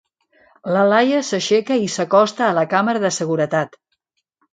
La Laia s'aixeca i s'acosta a la càmera de seguretat.